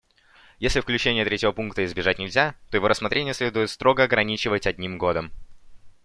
Если включения третьего пункта избежать нельзя, то его рассмотрение следует строго ограничивать одним годом.